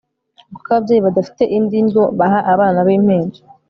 kuko ababyeyi badafite indi ndyo baha abana bimpinja